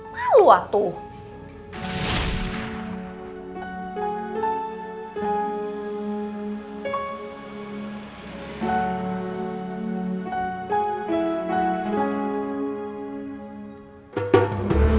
malu ah tuh